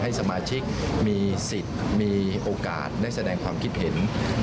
สมาชิกมีสิทธิ์มีโอกาสได้แสดงความคิดเห็น